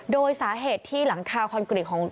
โดยสาเหตุที่หลังคาคอนกรีตของ